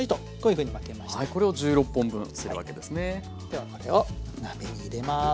ではこれを鍋に入れます。